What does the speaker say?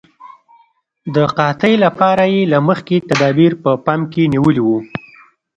د قحطۍ لپاره یې له مخکې تدابیر په پام کې نیولي وو.